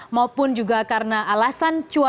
maupun juga karena alasan cuaca